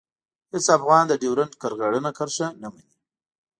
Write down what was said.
هېڅ افغان د ډیورنډ کرغېړنه کرښه نه مني.